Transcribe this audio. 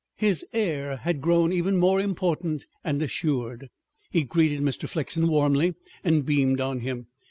His air had grown even more important and assured. He greeted Mr. Flexen warmly and beamed on him.